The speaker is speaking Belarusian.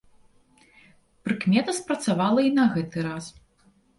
Прыкмета спрацавала і на гэты раз.